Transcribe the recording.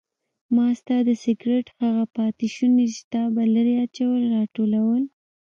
ما ستا د سګرټ هغه پاتې شوني چې تا به لرې اچول راټولول.